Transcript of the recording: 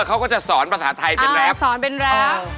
เขาก็จะสอนภาษาไทยเป็นแรงสอนเป็นแรง